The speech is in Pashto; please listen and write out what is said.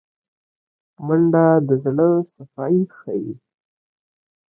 منډه د زړه صفايي ښيي